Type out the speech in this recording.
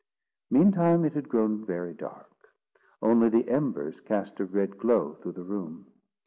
Meantime it had grown very dark; only the embers cast a red glow through the room.